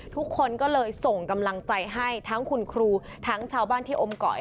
ทุกคนก็เลยส่งกำลังใจให้ทั้งคุณครูทั้งชาวบ้านที่อมก่อย